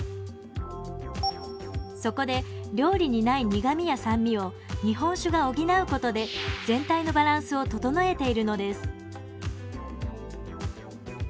そこで料理にない苦味や酸味を日本酒が補うことで全体のバランスを整えているのです。